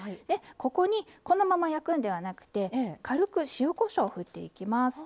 ここにこのまま焼くんではなくて軽く塩・こしょうをふっていきます。